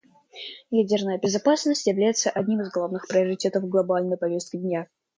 Ядерная безопасность является одним из главных приоритетов глобальной повестки дня.